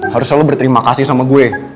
harusnya lo berterima kasih sama gue